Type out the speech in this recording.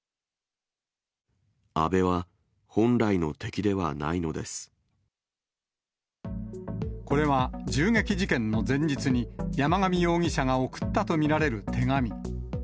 安倍は本来の敵ではないのでこれは銃撃事件の前日に、山上容疑者が送ったと見られる手紙。